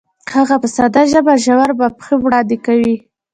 هغه په ساده ژبه ژور مفاهیم وړاندې کوي.